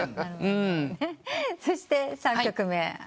そして３曲目。